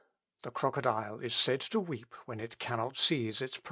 The crocodile is said to weep when it cannot seize its prey.